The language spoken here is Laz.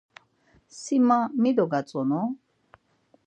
Si ma mi dogatzonu?